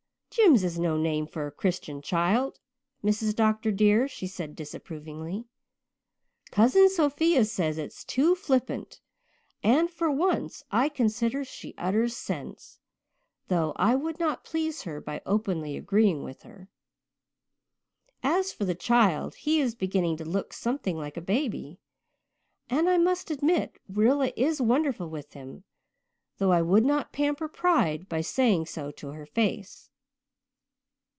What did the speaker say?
"Jims is no name for a Christian child, Mrs. Dr. dear," she said disapprovingly. "Cousin Sophia says it is too flippant, and for once I consider she utters sense, though I would not please her by openly agreeing with her. As for the child, he is beginning to look something like a baby, and I must admit that Rilla is wonderful with him, though I would not pamper pride by saying so to her face.